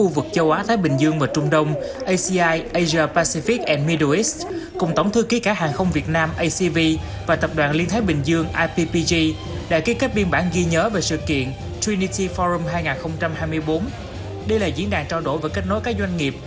về lĩnh vực thương mại hàng không